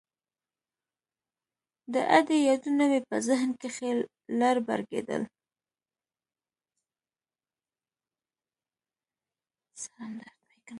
د ادې يادونه مې په ذهن کښې لر بر کېدل.